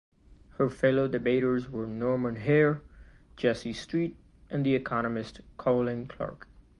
Her fellow debaters were Norman Haire, Jessie Street and the economist Colin Clark.